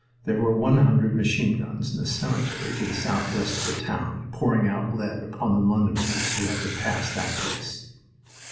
There were one hundred machine guns in the cemetery to the southwest of the town, pouring out lead upon the Londoners who had to pass that place.